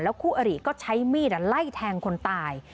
คู่อริก็ใช้มีดไล่แทงคนตาย